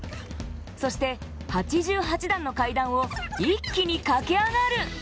そして８８段の階段を一気に駆け上がる。